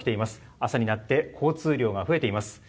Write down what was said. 朝になって、交通量が増えています。